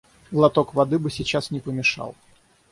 Глоток воды бы сейчас не помешал.